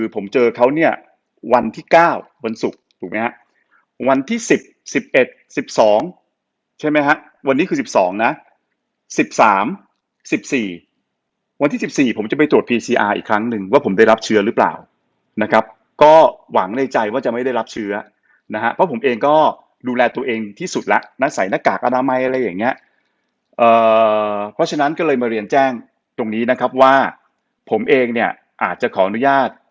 ผมเจอเขาเนี่ยวันที่เก้าวันศุกร์ถูกไหมฮะวันที่สิบสิบเอ็ดสิบสองใช่ไหมฮะวันนี้คือสิบสองนะสิบสามสิบสี่วันที่สิบสี่ผมจะไปตรวจพีเอซีอาร์อีกครั้งหนึ่งว่าผมได้รับเชื้อหรือเปล่านะครับก็หวังในใจว่าจะไม่ได้รับเชื้อนะฮะเพราะผมเองก็ดูแลตัวเองที่สุดแล้วนะใส่หน้ากากอนามัยอะไรอย่างเงี้ย